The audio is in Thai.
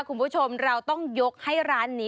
คุณผู้ชมเราต้องยกให้ร้านนี้